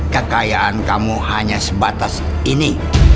kekayaan kamu hanya sebatas ini